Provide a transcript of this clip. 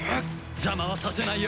邪魔はさせないよ。